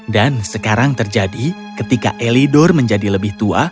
dan sekarang terjadi ketika elidor menjadi lebih tua